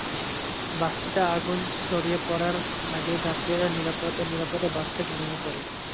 বাসটিতে আগুন ছড়িয়ে পড়ার আগেই যাত্রীরা নিরাপদে বাস থেকে নেমে পড়ে।